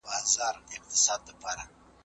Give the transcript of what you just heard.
کمزوري اقتصاد ډېر خلک غریب کړي دي.